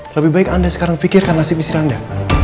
lebih baik anda sekarang pikirkan nasib istri anda